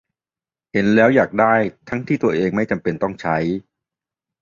เห็นแล้วอยากได้ ทั้งที่ตัวเองไม่จำเป็นต้องใช้